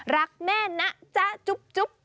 รักแม่นะจ๊ะจุ๊บ